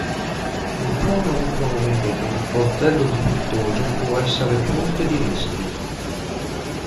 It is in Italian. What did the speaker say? Un forno a microonde con il portello difettoso può essere fonte di rischi.